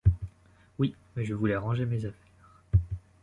Oui, mais je voulais ranger mes affaires.